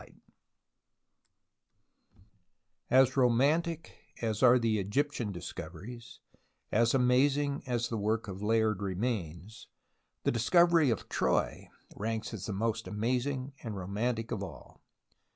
CHAPTER XIII ROMANTIC as are the Egyptian discoveries, amazing as the work of Layard remains, the discovery of Troy ranks as the most amazing and romantic of all.